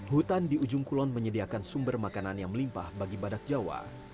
hutan di ujung kulon menyediakan sumber makanan yang melimpah bagi badak jawa